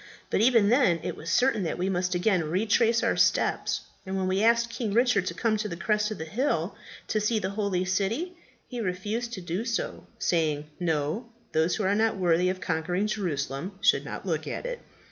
But even then it was certain that we must again retrace our steps; and when we asked King Richard to come to the crest of the hill to see the holy city, he refused to do so, saying, 'No; those who are not worthy of conquering Jerusalem should not look at it!'